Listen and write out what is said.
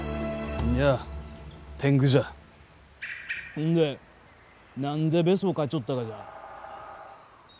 ほんで何でベソかいちょったがじゃ？